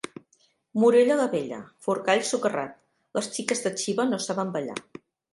Morella la Vella, Forcall socarrat, les xiques de Xiva no saben ballar.